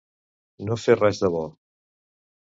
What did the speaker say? No fer res de bo.